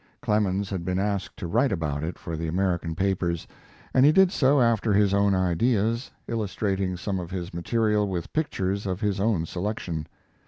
Clemens had been asked to write about it for the American papers, and he did so after his own ideas, illustrating some of his material with pictures of his own selection.